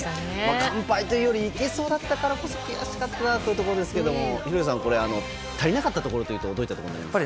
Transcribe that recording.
完敗というよりいけそうだったからこそ悔しかったなというところですが廣瀬さん、足りなかったところはどういうところだと思いますか。